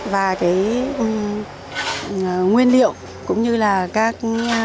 và nguyên liệu cũng như là các